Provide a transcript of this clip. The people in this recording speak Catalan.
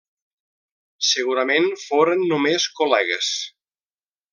Segurament foren només col·legues.